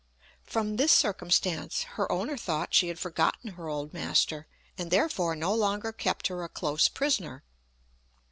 From this circumstance her owner thought she had forgotten her old master, and therefore no longer kept her a close prisoner.